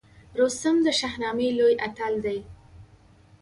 رستم د شاهنامې لوی اتل دی